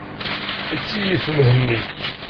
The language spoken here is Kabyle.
Ikeyyef Mhenni.